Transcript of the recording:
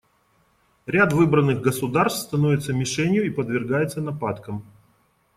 Ряд выбранных государств становится мишенью и подвергается нападкам.